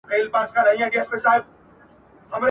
پښتانه له کلونو راهیسي جنګيږي.